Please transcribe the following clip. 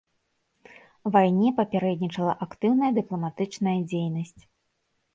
Вайне папярэднічала актыўная дыпламатычная дзейнасць.